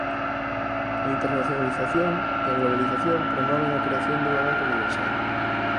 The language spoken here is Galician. A internacionalización e a globalización promoven a creación dunha banca universal.